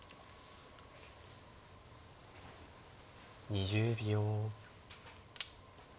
２０秒。